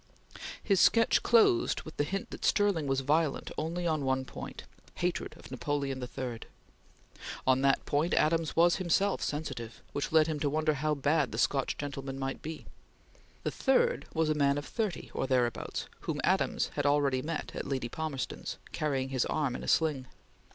His sketch closed with the hint that Stirling was violent only on one point hatred of Napoleon III. On that point, Adams was himself sensitive, which led him to wonder how bad the Scotch gentleman might be. The third was a man of thirty or thereabouts, whom Adams had already met at Lady Palmerston's carrying his arm in a sling.